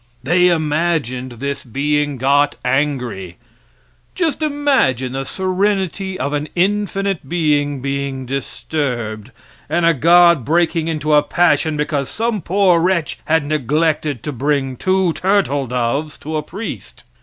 They imagined this being got angry. Just imagine the serenity of an infinite being being disturbed, and a God breaking into a passion because some poor wretch had neglected to bring two turtle doves to a priest!